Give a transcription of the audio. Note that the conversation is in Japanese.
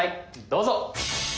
どうぞ！